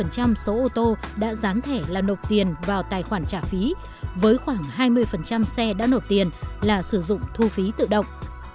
một số ô tô đã dán thẻ là nộp tiền vào tài khoản trả phí với khoảng hai mươi xe đã nộp tiền là sử dụng thu phí tự động